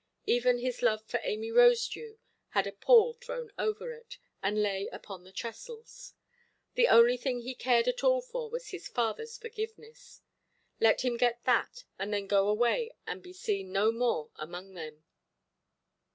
Even his love for Amy Rosedew had a pall thrown over it, and lay upon the trestles. The only thing he cared at all for was his fatherʼs forgiveness: let him get that, and then go away and be seen no more among them.